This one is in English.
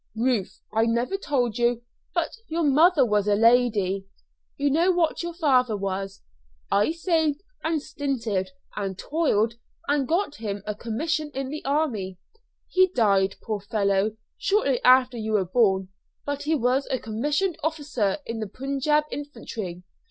"Ruth, I never told you, but your mother was a lady. You know what your father was. I saved and stinted and toiled and got him a commission in the army. He died, poor fellow, shortly after you were born. But he was a commissioned officer in the Punjab Infantry.